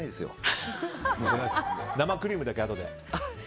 生クリームだけ、あとで。